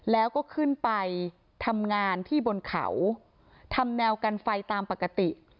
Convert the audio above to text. แล้วก็ขึ้นไปทำงานที่บนเขาทำแนวกันไฟตามปกติ